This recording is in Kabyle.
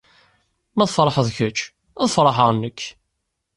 Ma tfeṛḥed kečč, ad feṛḥeɣ nekk.